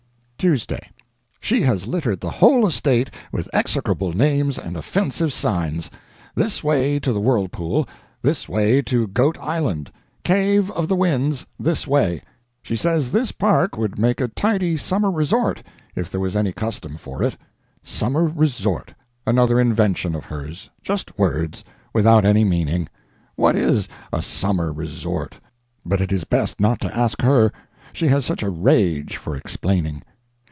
TUESDAY. She has littered the whole estate with execrable names and offensive signs: This way to the Whirlpool This way to Goat Island Cave of the Winds this way She says this park would make a tidy summer resort if there was any custom for it. Summer resort another invention of hers just words, without any meaning. What is a summer resort? But it is best not to ask her, she has such a rage for explaining.